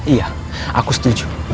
iya aku setuju